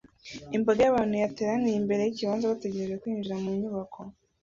imbaga y'abantu yateraniye imbere yikibanza bategereje kwinjira mu nyubako